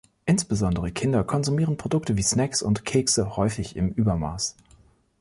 Insbesondere Kinder konsumieren Produkte wie Snacks und Kekse häufig im Übermaß.